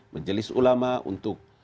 menjelis ulama untuk